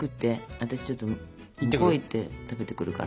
私ちょっと向こう行って食べてくるから。